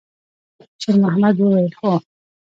شېرمحمد وویل: «هو.»